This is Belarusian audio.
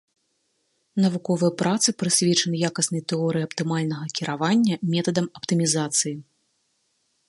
Навуковыя працы прысвечаны якаснай тэорыі аптымальнага кіравання, метадам аптымізацыі.